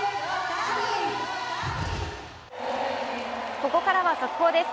ここからは速報です。